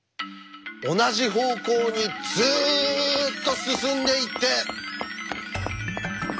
同じ方向にずっと進んでいって。